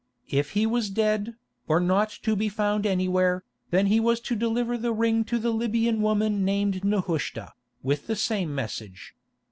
If he was dead, or not to be found anywhere, then he was to deliver the ring to the Libyan woman named Nehushta, with the same message.